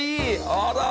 あら！